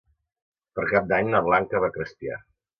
Per Cap d'Any na Blanca va a Crespià.